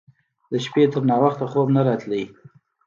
د شپې تر ناوخته خوب نه راته.